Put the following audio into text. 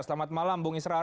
selamat malam bung israr